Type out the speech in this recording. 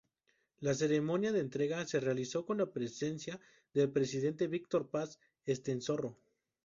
La ceremonia de entrega se realizó con la presencia del presidente Víctor Paz Estenssoro.